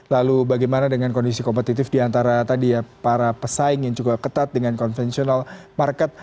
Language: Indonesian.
lalu bagaimana dengan kondisi kompetitif diantara tadi ya para pesaing yang cukup ketat dengan konvensional market